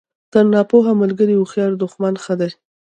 تر ناپوه ملګري هوښیار دوښمن ښه دئ!